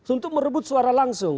untuk merebut suara langsung